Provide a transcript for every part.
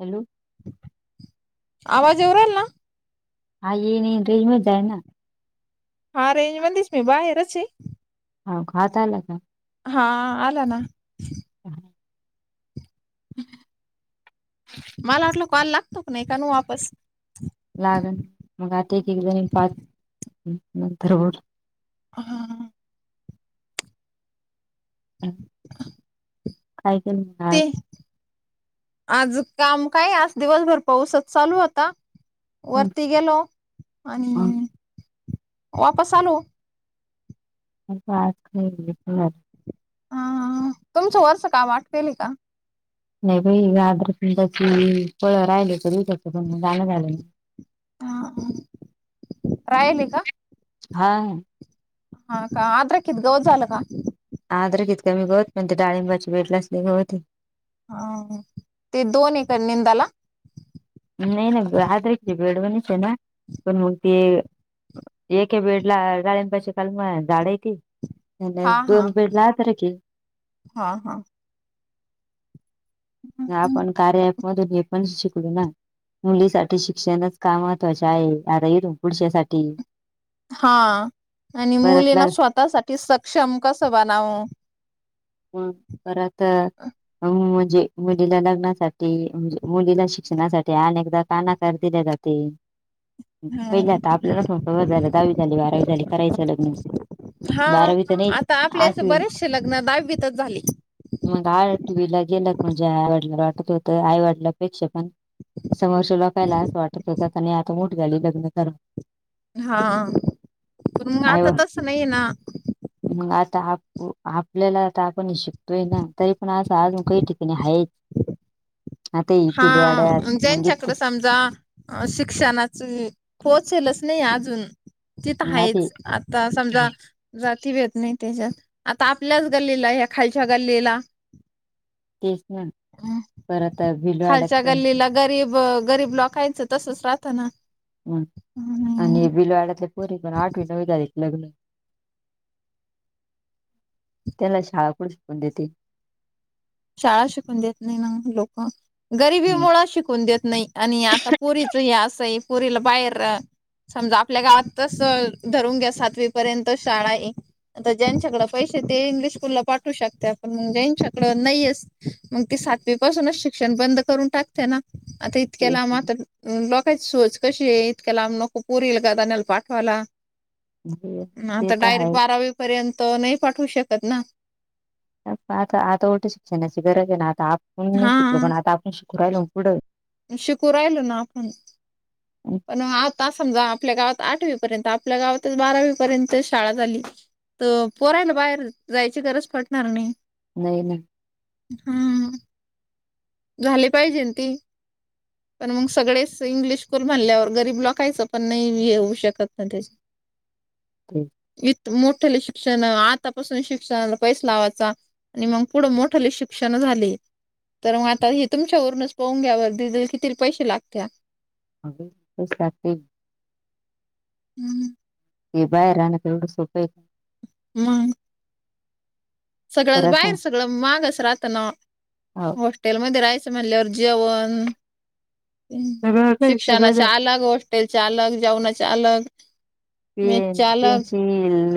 Hello. आवाज येवू रायला न. [unintelligible] हा रेज मधेच मी बाहेरच य. हा खात आला का? हा आला ना. [inaudible] मला वाटल कॉल लागतो का नाई का णू वापस. लागण मग आता एक एक जणी पाच नंतर हां हां. काय केलत ते आज? आज काम काय आज दिवसभर पाऊसच चालू होता. हं, वरती गेलो आणि हं. वापस आलो. [unintelligible] हा हा तुमच वरच काम आटपेल हे का? नाही बाई आद्र प त्याची पळ राहिलीच दिवसाच पण जाण झाल नाही. हा राहेल ये का? हां. हा का आद्रकित गौवत झाल का? आद्रकित कमी गवत पण ते डाळिंबाचीे वेटलास नी गवत य. आ ते दोन हे का निंदाला. नाही नाही आद्रक बेडवणीच आहे ना पण मग ते एके बेडला डाळींबची कलमा झाड यती आण दोन बेडला अद्रकय. हां हां. आपण कार्य अँप मधून हे पण शिकलो ना. मुलीसाठी शिक्षणचं, का महत्त्वाचे आहे आता इथून पुढच्यासाठी. हां आणि मुलीना परतला स्वतःसाठी सक्षम कसं बनावं. हं परत अ - म्हणजे मुलीला लग्नासाठी मुलीला शिक्षणासाठी अनेकदा कानाकार दिले जाते. पहिले आता आपल्यालाच होत झाली दहावी बारावी झाली कराचा लग्न. हा बारावी त नाहीच आठवी. म्या दहावीतच झाली. मग आठवी ला गेला म्हणजे आईवडीला वाटतं होतं आई वडीला पेक्षा पण समोरच्या लोकाना असं वाटतं होतं कि नाही आता मोठ झाली लग्न करून. हा प मग आई आता तसं नाहीे ना. मग आता आपल्याला आता आपण शिकतो. तोय ना तरी पण असं अजून काही ठिकाणी आहे. हा मग ज्याच्या इत कडं समजा. अ - शिक्षणाच पोहोचेलच नाही अजून. तिथं मग हा आता हेचं आता समजा. जाती भेत नाही त्याच्यात आता आपल्याच गल्लीला, या्या खालच्या गल्लीला, तेचं न -परत होईल. खालच्या गल्लीला गरीब - गरीब लोकांचं तसंच राहत ना. हम, हम्म आणि भिलवाड्यातल्या, पोरी पण आठवी नवी झाल्या की लग्न त्यांना शाळा कुडून शिकवून देतील. शाळा शिकून देत नाही ना, लोक गरिबी मुळं शिकून देत. नाही आणि आता पुरीच हे असंही पुरीला बाहेर समजा आपल्या गावात तसं धरून घ्या सातवी पर्यंत शाळा हे. ज्यांच्याकडे पैसे, ते इंग्लिश स्कूलला पाठवू शकते आपण मग ज्यांच्याकडं नाहीहेस मग ती सातवी, पासूनच शिक्षण बंद करून टाकते ना आता इतक्या तेच लांब आ लोकाची सोच कशी आहे इतक्या लांब नको पोरींला, गदाण्याला पाठवायला. ते आता तर डायरेक्ट, आहे बारावी पर्यंत नाही. पाठवू शकत ना. आता आता उलट शिक्षणाची गरज आहे ना आता आपण नाही शिकलो हा पण आता आपण शिकू राहिल पुढं. शिकू राहिलोना ना आपण. पण आता समजा आपल्या गावात आठवीपर्यंत, आपल्या गावातचं बारावीपर्यंत शाळा झाली. तर, पोरायला बाहेर जायची गरज पडणार नाही. नहीना. हम, झाले पाहिजे ते पण मग सगळेच इंग्लिश स्कूल म्हणल्यावर गरीब लोकायचं पण नाही हे होऊ शकतं तेचं. ते येत मोठली शिक्षण आतापासून शिक्षणाला पैस लावायचा. आणि मग पुढं मोठले शिक्षण झाले तर, मग आ तर, हे तुमच्या वरूनच पाहून घ्यावर दीदी कितीरी पैसे लागत्यात. अग उठलकी [inaudible] हम् हे बाहेर राहणं एवढं सोप्प हे का? मग. सगळंच खरंच बाहेर, सगळं महागच राहतं ना ओ! हाव. हॉस्टेलमध्ये राहायचं म्हणल्यावर जेवण सगळं काही सगळं शिक्षणाचे अलग, हॉस्टेलचे अलग, जेवणाचे अलग. पेन, मेसच्या अलग पेन्सिल,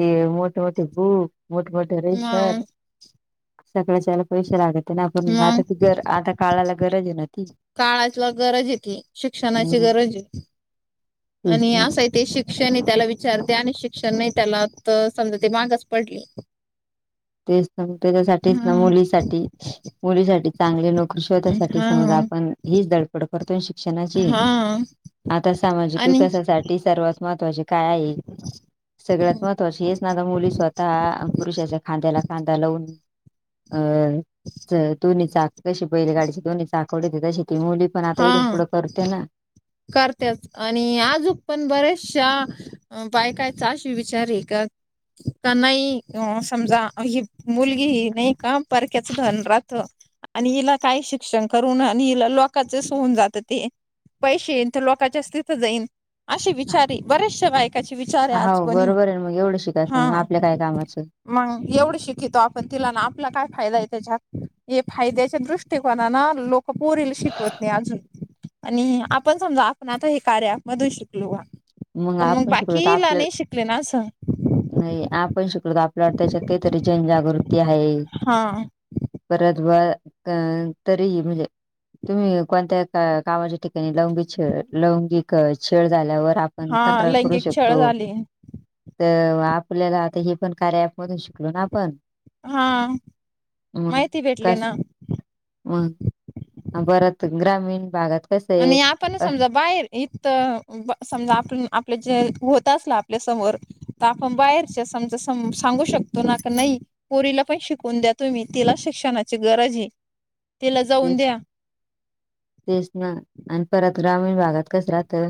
ते मोठेमोठे बुक, मोठेमोठे मग रजिस्टर, सगळ्याच याला पैसे लागत, अन आपण, मग आता ती गर-आता काळाला गरज आहे ना ती! काळाला गरज आहे की, शिक्षणाची हम्म गरज आहे, तेच आणि ना असही ते शिक्षण आहे, त्याला विचारते आणि शिक्षण नाही त्याला तर समजा ते मागच पडले. [inaudible] तेच ना ग! त्याच्यासाठीच ना, मुलीसाठी. मुलीसाठी चांगली नोकरी शोधायसाठी, समजा हा आपण हीच धडपड करतो ना शिक्षणाची? हा. आता सामाजिक आणि विकासासाठी सर्वात महत्वाचे काय आहे? सगळ्यात महत्वाचं हेच ना आता मुली स्वतः पुरुषाच्या खांद्याला खांदा लावून, अ-च-दोन्ही चाकं कशी पहिले गाडीची दोनी चाकं [inaudible] शेती, मुली पण आता हा इथून पुढं करते ना? करत्याच. आणि आजूक पण बऱ्याचशा अं-बायकाचे आशे विचार आहे का? त्यांनाही, अ-समजा ही मुलगी ही नाही का, परक्याचं धन राहतं. आणि हिला काय शिक्षण करून आणि हिला लोक लोकाचंच होऊन जातं ते, पैसे येईन तर लोकच्याच तिथं जाईन. अशे विचार आहेत, बऱ्याचश्या बायकाचे विचार आहे आज हाव पण हे. बरोबर आहे मग एवढं शिकायचं हा. मग आपल्या काय कामाचं मंग, एवढं शिकिवतो आपण तिला अन आपला काय फायदा आहे त्याच्यात, हे फायद्याच्या दृष्टकोनानं लोक कं पोरीला शिक वत नाही अजून, आणि आपण समजा आपण आता हे कार्या मधून शिकलो हा. पण मग आपण शिकलो तर बाकीला आपल्या नाही शिकले ना असं? नाही, आपण शिकलो तर आपल्या त्याच्यात काहीतरी जनजागृती आहे. हा. परत, व-क-तरी ही म्हणजे, तुम्ही कोणत्या? गावाच्या ठिकाणी लौंगिक छळ-लौंगिक छळ झाल्यावर आप पण हा तक्रार करू लैंगिक छळ शकतो. झाले तर, आपल्याला आता हे पण कार्या अँप मधून शिकलो ना आपण? हा, मग माहिती भेटली कस ना! मग? परत ग्रामीण भागात कसं आहे आणि आप पण अ समजा बाहेर इथं समजा आपण, आपलं जे होत असलं आपल्या समोर तर आपण बाहेरच्या समजा सं-सांगू शकतो ना, का नाही? पोरीला पण शिकवून द्या तुम्ही, तिला शिक्षणाची गरज आहे. तिला जाऊन तेच द्या. तेच ना! आणि परत ग्रामीण भागात कसं राहतं?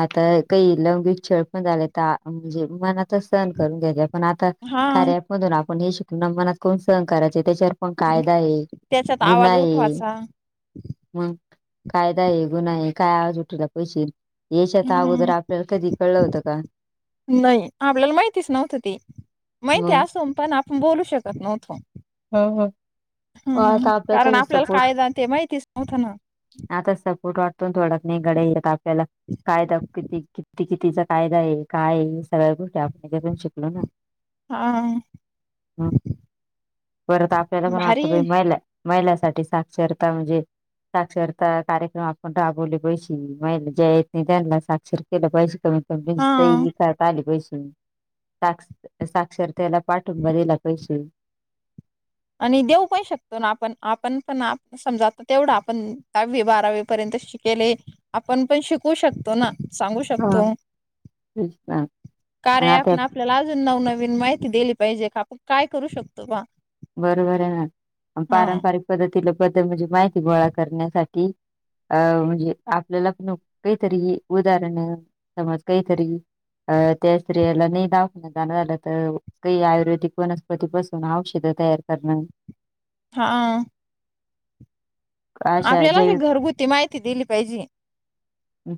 आता काही लौंगिक छळ पण झाले तर अ-म्हणजे मनातच सहन करून घ्यावे पण आता, हा कार्या अँप मधून आपण हे शिकलो, मनात कोण सहन करायचं, त्याच्यावर पण कायदा आहे. त्याच्यात आवाज नाही. उठवायचा मंग, कायदा आहे, गुन्हा आहे, काय आवाज उठवला आहे पाहिजे? येशात अगोदर ह आपल्याला कधी कळलं होतं का? नाही आपल्याला माहितीच नव्हत ते. माहिती मग असोन पण आप न बोलू शकत नव्हतो. ह ह. हू हू कारण आपल्याला कायदा ते माहितीच नव्हतं ना. आता सपोर्ट वाटतो थोडा न, तिकडे आपल्याला कायदा किती किती किती जण? कायदा ये काय ये सगळ्या गोष्टी आपण हेच्यातून शिकलो ना. हा मग परत आपल्याला पणं वाटत. भारी मैला मैहलासाठी साक्षरता म्हणजे साक्षरता कार्यक्रम आपण राबवले बैशी, महिला ज्या येत नाही त्यांला साक्षर केला पाहिजे, कमी मग दिसतय हा की काय? काय आले पैसे. साक्ष साक्षरतेला पाठिंबा दिला पाहिजे. आणि देऊ काही शकतो ना, आपण आपण पण समजा आता, तेवढा आपण दहावी बारावी पर्यंत शिकेले, आपण पण शिकवू शकतो ना. सांगू हा शकतो. तेच ना आणि कार्या ॲप आता ना आपल्याला अजून नवनवीन माहिती दिली पाहिजे का? आपण काय करू शकतो बा बरोबर आहे ना, हा पारंपरिक पद्धतीला पद्ध म्हणजे माहिती गोळा करण्यासाठी अ म्हणजे आपल्यालापण काहीतरी उदाहरण समज काहीतरी अ त्या स्त्रीयाला न दाव उदाहरण झालं तर, काही आयुर्वेदिक वनस्पती पासून औषध तयार करणं. हा. अशा आपल्याला अशी जैविक घरगुती माहिती दिली पाहिजे.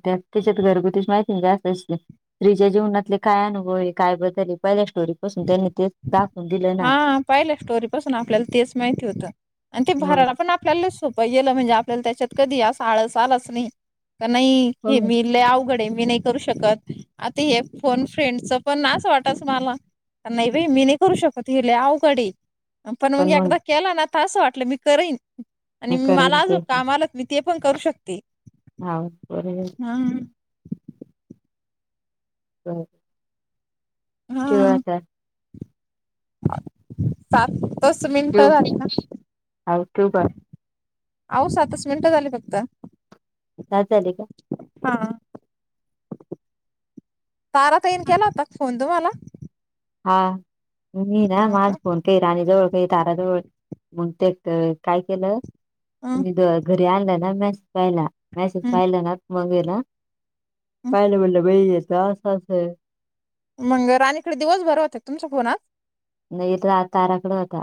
त्या तेच्यात घरगुती माहिती जास्त असते. स्त्रीच्या जीवनातले काय अनुभव हे? काय बदल ये? पहिल्या स्टोरी पासून त्यांनी ते दाखवून दिलं ना. पाहिल्या स्टोरी पासून आपल्याला तेच माहिती होतं आणि ते मग भारायला पण आपल्याला सोपं गेलं म्हणजे आपल्याला त्याच्यात कधी अस आळस आलाच नाही. का नाही? हे हो मी लई अवघड ये मी नाही एक. करू शकत. आता हे फोन फ्रेंडच पण आसच वाटत मला. नाही बाई मी नाही करू शकत, हि लई अवघड ये, पण मग एकदा केला ना, तर असं वाटलं मी करईन आणि मला करेल आजुन ते काम आलंच, मी ते पण करू शकते. हा बरोबर. हा. ह. ठिवू या हां. आता. सातच ठेव मिनिटं झाली ना. हा ठेव का आओ सातच मिनिटं झाली फक्त सात झाले का? हा. तारा ताईन केला होता का फोन तोम्हाला? हा. मी ना, हां माझ का? फोन की राणी जवळ, काही ताराजवळ मग ते काय केलं. हं, ते आलं ना मॅसेज पाहिला. मॅसेज हं. पाहिला ना मंग ईला पायले म्हटले बहि जे आ अस मंग राणीकडे दिवसभर होते तुमच्या फोनात नाही तर ताराकड होता,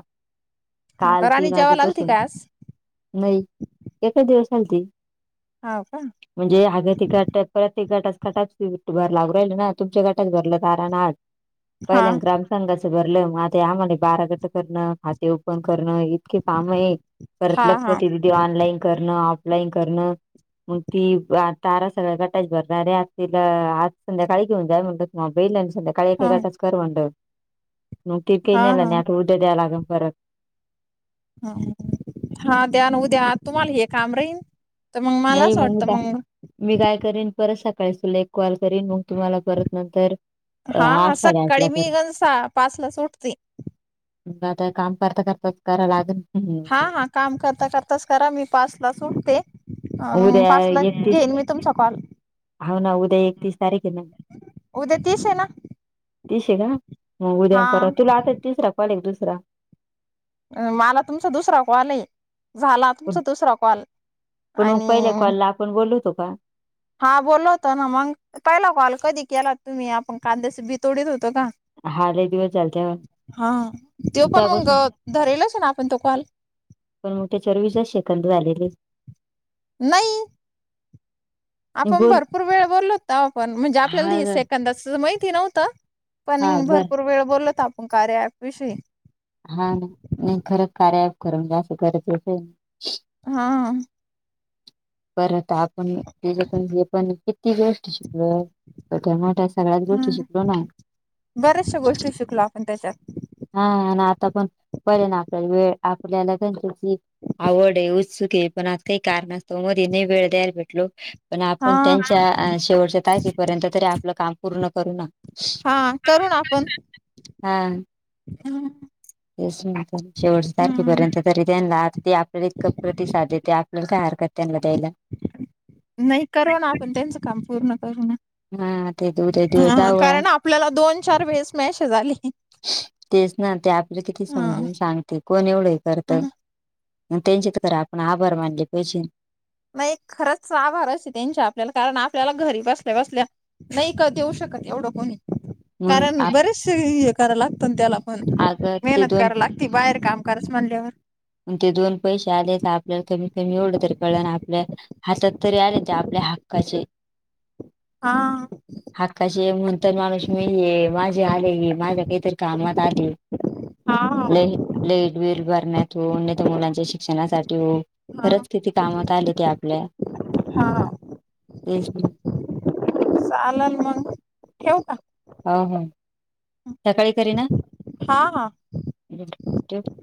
हा काल का राणी तीन जेवायला आलती वाजेपासून का आज नाही एक दिवस आल ते हाव का म्हणजे आग ती घ टक प्रत्येक गटास [unintelligible] भर लागू राहिल ना तुमच्या गटात भरलं दार आण हा पहिल्या ग्राम संगाचं भरलं मग ते आम्हाला बारा गट करणं खाते ओपन करणं हे इतके काम आहेत. परत हा लगप हा ती ते ऑनलाईन करणं ऑफलाईन करणं मग ती तारा सगळ्या गटाचे भरणारे तला आज संध्याकाळी घेऊन जाय म्हणतो. मग बघितलं आणि संध्याकाळी एका हा गटाचं कर म्हणलं. नव्हतं हा केलं हा आणि आता उद्या द्याय लागन परत हां द्या ना उद्या तुम्हाला हे काम राहीन. तर मग मला नाही असं [unintelligible] वाटतं का? मग मी काय करीन परत सकाळीच तुला एक कॉल करीन मग तू मला परतन कर. हां हां सकाळी मी गणसा पाचलाच उठते. मग आता काम करता करताच करा लागन. हां हां काम करता करताच करा मी पाचला च उठते. अ उद्या पाचला एकतीस घेईन मी तुमचा कॉल. हो ना उद्या एकतीस तारीख आहे ना उद्या तीस आहे ना? तीस आहे का, मग उद्यान हा परवा तुला आता तिसरा कॉल का दुसरा? मला तुमचा दुसरा कॉल आहे, झाला तुमचा दुसरा कॉल. पण मग पहिल्या कॉलला आपण बोललो होतो का? हां बोलला होत ना मग! पहिला कॉल कधी केला तुम्ही आपण कांद्याच बी तोडीत होतो का? हा लय दिवस झाले तेव्हा हां त्यो पण मग तेव्हापासून धरेलच आपण तो कॉल. पण मग त्याच्यावर वीसच सेकंद झालेले आहेत. नाही! मी आपण बोल भरपूर वेळ बोललो होतो तेव्हा पण म्हणजे हा आपल्याला ग सेकंदच महिती नव्हतं. पण हा बर भरपूर वेळ बोलो होतो आपण कार्य ऍप विषयी. हां नाही खरं कार्य ऍप खरं म्हणजे असं गरजेचं ये. हां. परत आपण हेच्यावर पण किती गोष्टी शिकलो. तर त्यामुळे त्या सगळ्याच गोष्टी शिकलो नाही. बऱ्याचशा गोष्टी शिकलो आपण त्याच्यात. हां आणि आता पण [unintelligible] ना आपल्याला वेळ आपल्याला त्यांच्याशी आवड आहे उत्सुक आहे पण आज काही कारणास्तव मधे नाही वेळ द्यायला भेटलो. पण हा आपण त्यांच्या शेवटच्या तारखेपर्यंत तरी आपलं काम पूर्ण करू ना. हां करू ना आपण. हां. [inaudible] तेच म्हटलं शेवटच्या तारखेपर्यंत तरी त्यांना ते आपल्याला इतक प्रतिसाद देत्या. आपल्याला काय हरकत त्यांना द्यायला. नाही करू ना आपण त्यांचं काम पूर्ण करू ना. हां ते दो हां कारण आपल्याला दोन चार वेळेस मॅसेज आले. तेच ना ते आपल्याला किती समजून हा सांगते कोण एवढं हे करत. त्यांचेत खरं आपण आभार मानले पाहिजे. नाही खरंच आभार असते त्यांच्या आपल्याला कारण आपल्याला घरी बसल्या बसल्या नाही का देऊ शकत एवढं कोणी. मग कारण बरेचसे हे कराव लागतं ना त्याला पण अग ते मेहनत दोन करावी लागती. ती बाहेर काम करायच म्हणल्यावर, ते दोन पैसे आले तर, आपल्याला कमीत कमी एवढं तरी कळलं ना आपल्यात हातात तरी आले ते आपल्या हक्काचे. हा. हक्काचे म्हणत माणूस मी ये माझे आले माझ्या काहीतरी कामात आले. हा लाईट लाईट बिल भरण्यात. हो नाहीतर मुलांच्या शिक्षणासाठी हो हा खरंच किती कामात आले ते आपल्या. हा तेच ना. चालाल मग ठेऊ का? हां हां. सकाळी करीन आ. हा हा. बरं ठेऊ.